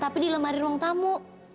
tapi di lemari ruang tamu